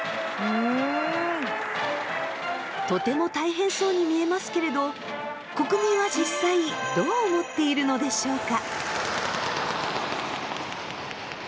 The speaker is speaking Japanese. とても大変そうに見えますけれど国民は実際どう思っているのでしょうか。